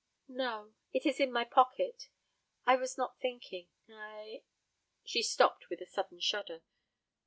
"No, it is in my pocket. I was not thinking I " She stopped with a sudden shudder.